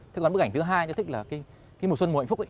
thế còn bức ảnh thứ hai tôi thích là cái mùa xuân mùa hạnh phúc ấy